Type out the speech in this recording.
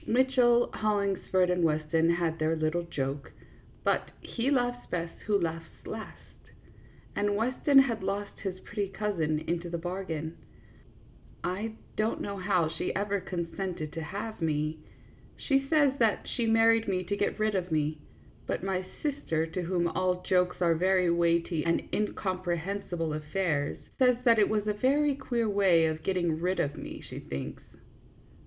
Mitchell, Hollings ford, and Weston had their little joke; but "he laughs best who laughs last," and Weston has lost his pretty cousin into the bargain. I don't know how she ever consented to have me. She says that she married me to get rid of me, but my sister, to whom all jokes are very weighty and incomprehen sible affairs, says that it was a very queer way of getting rid of me, she thinks.